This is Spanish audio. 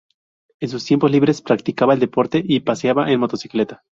En sus tiempos libres practicaba el deporte y paseaba en motocicleta.